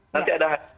nanti ada hal